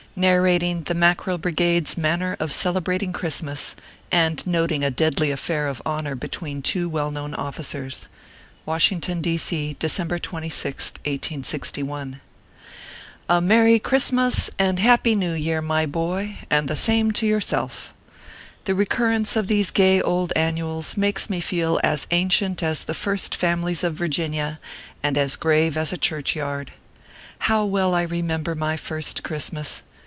NARRATING THE MACKEREL BRIGADE S MANNER OF CELEBRATING CHRISTMAS, AND NOTING A DEADLY AFFAIR OF HONOR BETWEEN TWO WELL KNOWN OFFICERS. WASHINGTON, D. C., December 26th, 1861. A MERRY Christmas and Happy New Year, my boy, and the same to yourself. The recurrence of these gay old annuals makes me feel as ancient as the First Families of Virginia, and as grave as a church yard. How well I remember my first Christmas